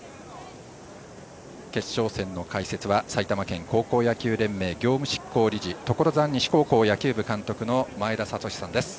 決勝戦の解説は埼玉県高校野球連盟業務執行理事所沢西高校野球部監督の前田聡さんです。